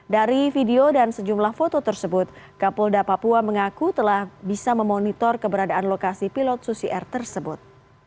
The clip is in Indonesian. dari video dan sejumlah foto tersebut kapolda papua mengaku telah bisa memonitor keberadaan lokasi pilot susi air tersebut